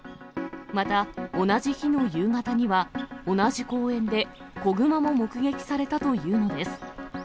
また、同じ日の夕方には、同じ公園で子グマも目撃されたというのです。